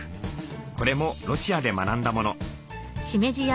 これもロシアで学んだもの。